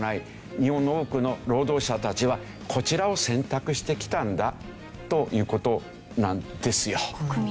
日本の多くの労働者たちはこちらを選択してきたんだという事なんですよ。